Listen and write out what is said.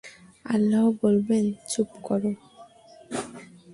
আল্লাহ বলবেনঃ চুপ কর!